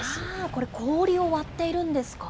これ、氷を割っているんですか？